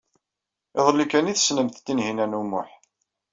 Iḍelli kan ay tessnemt Tinhinan u Muḥ.